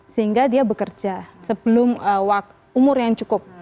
sehingga dia bekerja sebelum umur yang cukup